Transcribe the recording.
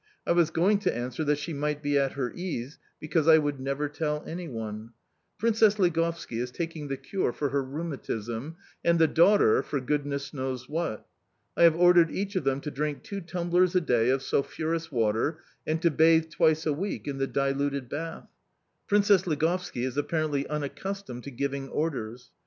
I was going to answer that she might be at her ease, because I would never tell anyone. Princess Ligovski is taking the cure for her rheumatism, and the daughter, for goodness knows what. I have ordered each of them to drink two tumblers a day of sulphurous water, and to bathe twice a week in the diluted bath. Princess Ligovski is apparently unaccustomed to giving orders.